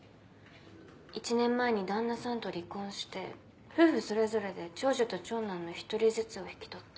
１年前に旦那さんと離婚して夫婦それぞれで長女と長男の１人ずつを引き取った。